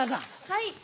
はい。